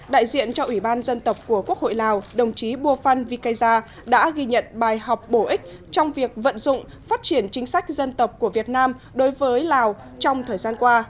đại diện cho ủy ban dân tộc của quốc hội lào đồng chí bua phan vy kaza đã ghi nhận bài học bổ ích trong việc vận dụng phát triển chính sách dân tộc của việt nam đối với lào trong thời gian qua